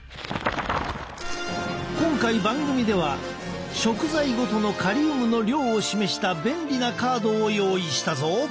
今回番組では食材ごとのカリウムの量を示した便利なカードを用意したぞ。